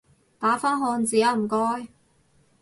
打返漢字吖唔該